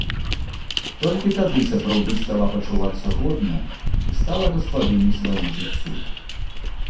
Толькі тады сапраўды стала пачувацца годна і стала гаспадыняй свайму жыццю.